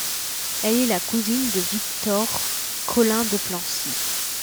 Elle est la cousine de Victor Collin de Plancy.